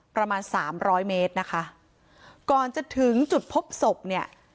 ประมาณสามร้อยเมตรนะคะก่อนจะถึงจุดพบศพเนี่ย